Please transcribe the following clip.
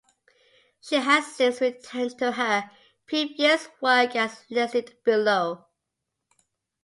She has since returned to her previous work as listed below.